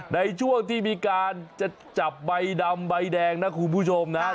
ในช่วงที่มีการจะจับใบดำใบแดงนะคุณผู้ชมนะ